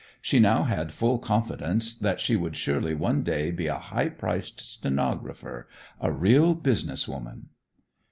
She now had full confidence that she would surely one day be a high priced stenographer, a real "business woman."